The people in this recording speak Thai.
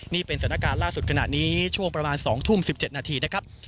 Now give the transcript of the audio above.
นี่เป็นสถานการณ์ล่าสุดขณะนี้ช่วงประมาณ๒ทุ่ม๑๗นาทีนะครับ